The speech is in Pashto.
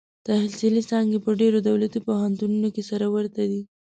تحصیلي څانګې په ډېرو دولتي پوهنتونونو کې سره ورته دي.